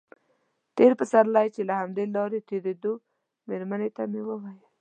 تېر پسرلی چې له همدې لارې تېرېدو مېرمنې ته مې ویل.